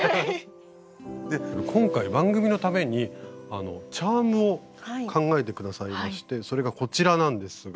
で今回番組のためにチャームを考えて下さいましてそれがこちらなんですが。